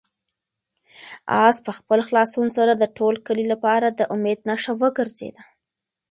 آس په خپل خلاصون سره د ټول کلي لپاره د امید نښه وګرځېده.